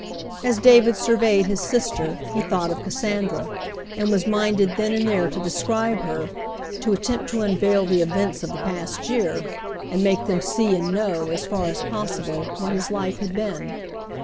As David surveyed his sister, he thought of Cassandra, and was minded then and there to describe her — to attempt to unveil the events of the past year, and make them see and know, as far as possible, what his life had been.